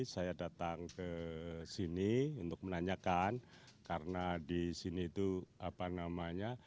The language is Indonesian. saya datang ke sini untuk menanyakan karena di sini itu apa namanya